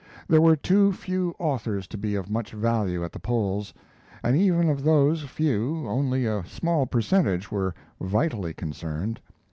There were too few authors to be of much value at the polls, and even of those few only a small percentage were vitally concerned.